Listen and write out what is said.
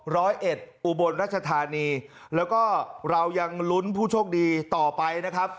ร้อยเอ็ดอุบลรัชธานีแล้วก็เรายังลุ้นผู้โชคดีต่อไปนะครับ